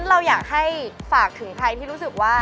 เราอยากให้ฝากถึงใครที่รู้สึกว่า